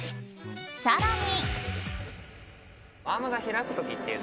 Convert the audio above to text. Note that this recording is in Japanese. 更に。